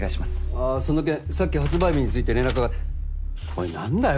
あぁその件さっき発売日について連絡がおい何だよ